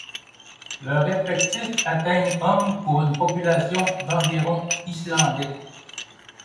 Leurs effectifs atteignent hommes pour une population d’environ Islandais.